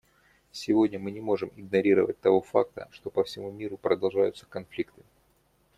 Сегодня мы не можем игнорировать того факта, что по всему миру продолжаются конфликты.